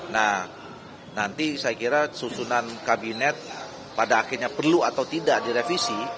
nah nanti saya kira susunan kabinet pada akhirnya perlu atau tidak direvisi